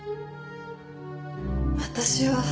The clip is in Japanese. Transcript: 私は。